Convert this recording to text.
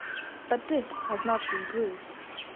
But this has not been proved.